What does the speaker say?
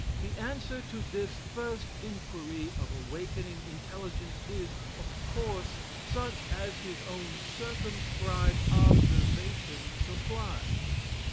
The answer to this first inquiry of awakening intelligence is, of course, such as his own circumscribed observation supplies.